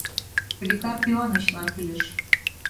Поликарп Ивановичлан кӱлеш.